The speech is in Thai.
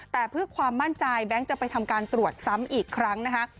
แต่เพื่อความมั่นใจแบงค์จะไปทำการตรวจซ้ำอีกครั้งนะคะ